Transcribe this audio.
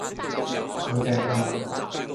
佢畀人恰